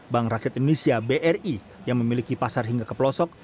bank rakyat indonesia bri yang memiliki pasar hingga ke pelosok